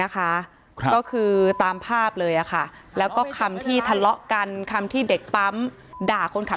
ก็คือตามภาพเลยแล้วก็คำที่ทะเลาะกันคำที่เด็กปั๊มด่าคนขับ